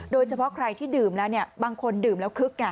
โดยเฉพาะใครที่ดื่มแล้วบางคนดื่มแล้วคึก